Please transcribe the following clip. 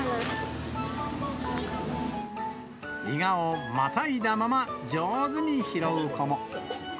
イガをまたいだまま上手に拾う子も。